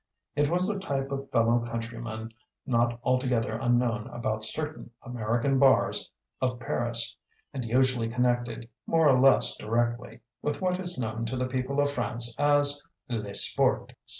It was a type of fellow countryman not altogether unknown about certain "American Bars" of Paris, and usually connected (more or less directly) with what is known to the people of France as "le Sport."